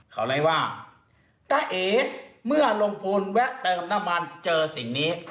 เขาเลยว่าตาเอ๋เมื่อลุงปูนแวะเติมน้ำมันเจอสิ่งนี้